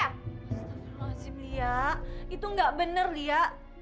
astaghfirullahaladzim lia itu gak bener lia